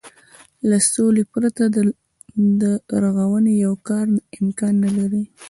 له سولې پرته د رغونې يو کار امکان نه لري.